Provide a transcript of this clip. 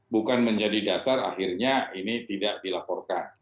bukan menjadi dasar akhirnya ini tidak dilaporkan